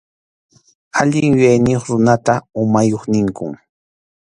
Allin yuyayniyuq runata umayuq ninkum.